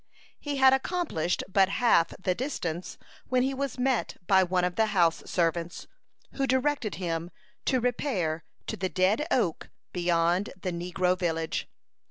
He had accomplished but half the distance, when he was met by one of the house servants, who directed him to repair to the "dead oak" beyond the negro village.